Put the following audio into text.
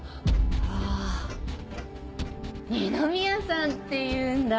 あぁ二宮さんっていうんだ。